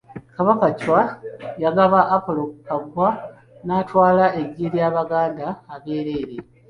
Kabaka Chwa yagaba Apolo Kaggwa n'atwala eggye ly'Abaganda abeereere.